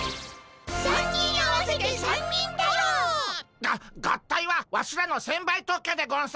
３人合わせて三人太郎っ！が合体はワシらの専売特許でゴンス。